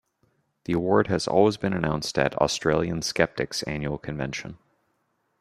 The award has always been announced at Australian Skeptics' annual convention.